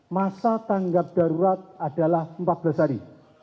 masa tanggap darurat adalah empat belas hari